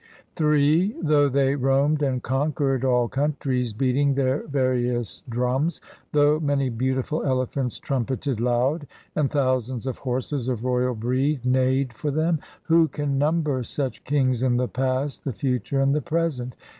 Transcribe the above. Ill Though they roamed and conquered all countries beating their various drums ; Though many beautiful elephants trumpeted loud, and thousands of horses of royal breed neighed for them — Who can number such kings in the past, the future, and the present